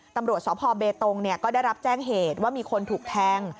ตำรวจสพเบตงก็ได้รับแจ้งเหตุว่ามีคนถูกแทง